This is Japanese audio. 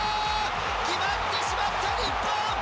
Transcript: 決まってしまった日本！